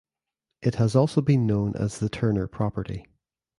It has also been known as the Turner Property.